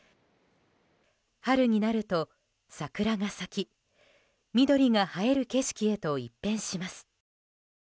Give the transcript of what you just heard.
春になると、桜が咲き緑が映える景色へと一変します。